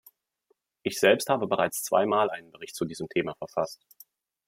Ich selbst habe bereits zweimal einen Bericht zu diesem Thema verfasst.